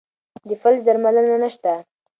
د فلج درملنه نشته.